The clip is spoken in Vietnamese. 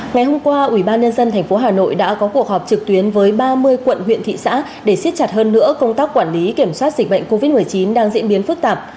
ngày hôm qua ubnd tp hà nội đã có cuộc họp trực tuyến với ba mươi quận huyện thị xã để xiết chặt hơn nữa công tác quản lý kiểm soát dịch bệnh covid một mươi chín đang diễn biến phức tạp